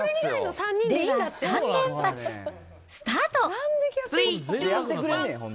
では３連発、スタート。